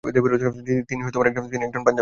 তিনি একজন পাঞ্জাবি।